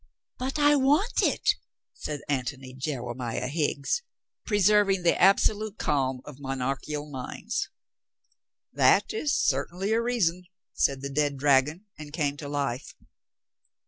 "But I want it," said Antony Jewemiah Higg s, preserving the absolute calm of monarchial minds. "That is certainly a reason," said the dead dragon and came to life.